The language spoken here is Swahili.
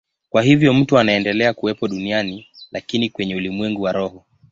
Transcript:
Kwa hiyo mtu anaendelea kuwepo duniani, lakini kwenye ulimwengu wa roho.